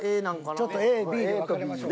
ちょっとＡＢで分かれましょう。